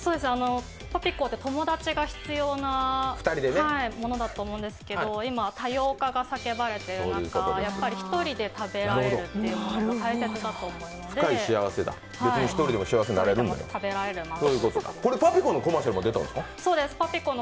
パピコって友達が必要なものだと思うんですけど、今、多様化が叫ばれている中１人で食べられるというのが大切だと思うので、１人で食べられるマウントを。